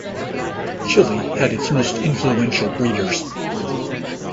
Chile had its most influential breeders.